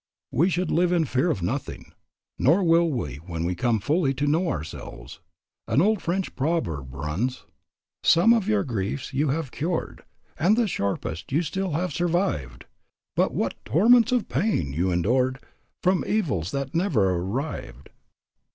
We should live in fear of nothing, nor will we when we come fully to know ourselves. An old French proverb runs "Some of your griefs you have cured, And the sharpest you still have survived; But what torments of pain you endured From evils that never arrived."